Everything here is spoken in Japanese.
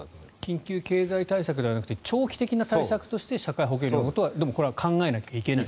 緊急経済対策じゃなくて長期的な対策として社会保険料のことは考えなきゃいけない。